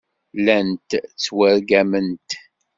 Llant ttwargament.